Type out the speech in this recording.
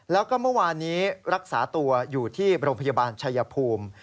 แล้วก็เมื่อวานนี้รักษาตัวอยู่ที่โรงพยาบาลชายภูมิ